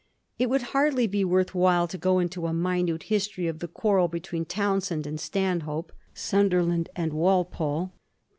It would hardly be worth while to go into a minute history of the quarrel between Townshend and Stanhope, Sunderland and Walpole.